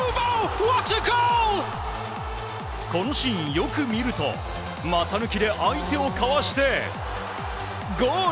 このシーン、よく見ると股抜きで相手をかわしてゴール！